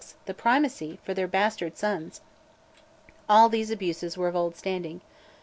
the Primacy, for their bastard sons. All these abuses were of old standing.